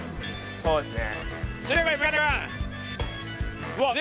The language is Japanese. そうですね。